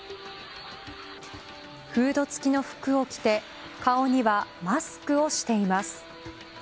フード付きの服を着て顔にはマスクをしています。